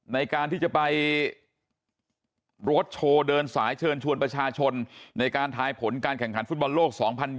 ในการที่จะไปรถโชว์เดินสายเชิญชวนประชาชนในการทายผลการแข่งขันฟุตบอลโลก๒๐๒๐